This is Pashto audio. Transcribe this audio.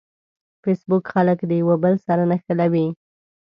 فېسبوک خلک د یوه بل سره نښلوي.